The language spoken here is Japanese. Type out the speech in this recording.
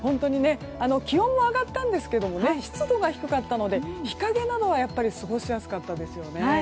気温も上がったんですが湿度は低かったので日陰などは過ごしやすかったですよね。